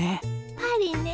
パリね